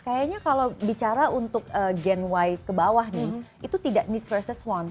kayaknya kalau bicara untuk gen y ke bawah nih itu tidak need versus one